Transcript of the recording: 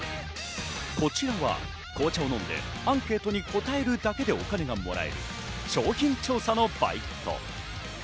こちらは紅茶を飲んでアンケートに答えるだけでお金がもらえる商品調査のバイト。